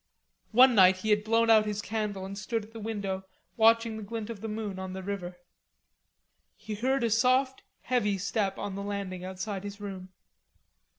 One night he had blown out his candle and stood at the window watching the glint of the moon on the river. He heard a soft heavy step on the landing outside his room.